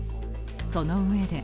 そのうえで